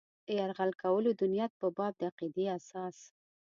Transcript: د یرغل کولو د نیت په باب د عقیدې اساس.